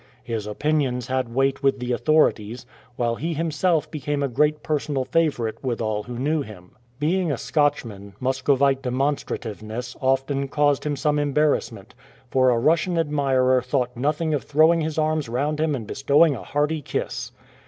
His opinions had weight with the authorities, while he himself became a great personal favourite with all who knew him. Being a Scotchman, Muscovite demon strativeness often caused him some embarrassment, for a Russian admirer thought nothing of throwing his arms round him and bestowing a hearty kiss.